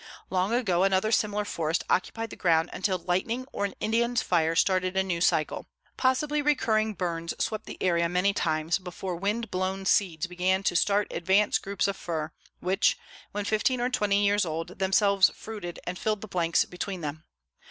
Long ago another similar forest occupied the ground until lightning or an Indian's fire started a new cycle. Possibly recurring burns swept the area many times before wind blown seeds began to start advance groups of fir, which, when fifteen or twenty years old, themselves fruited and filled the blanks between them.